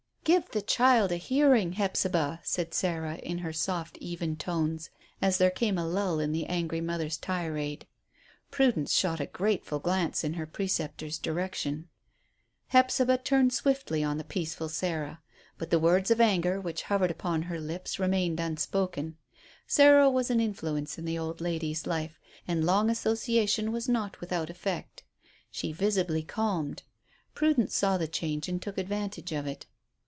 "Give the child a hearing, Hephzibah," said Sarah, in her soft even tones, as there came a lull in the angry mother's tirade. Prudence shot a grateful glance in her preceptor's direction. Hephzibah turned swiftly on the peaceful Sarah. But the words of anger which hovered upon her lips remained unspoken. Sarah was an influence in the old lady's life, and long association was not without effect. She visibly calmed. Prudence saw the change and took advantage of it.